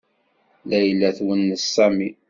Layla twennes Sami.